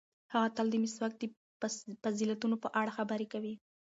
هغه تل د مسواک د فضیلتونو په اړه خبرې کوي.